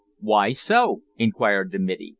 "Why so?" inquired the middy.